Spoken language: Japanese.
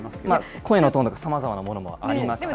声のトーンもさまざまなものもありますから。